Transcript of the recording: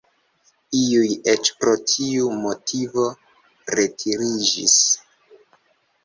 Iuj eĉ pro tiu motivo retiriĝis.